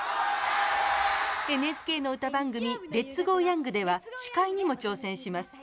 ＮＨＫの歌番組「レッツゴーヤング」では司会にも挑戦します。